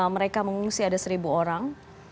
mereka mengungsi ada seribu orang